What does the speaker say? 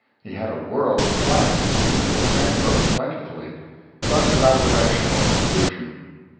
He had a world of plans, as usual, and wrote plentifully, but without direction or conclusion.